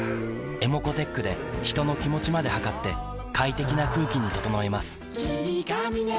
ｅｍｏｃｏーｔｅｃｈで人の気持ちまで測って快適な空気に整えます